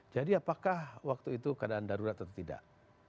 jadi apakah waktu itu keadaan darurat atau tidak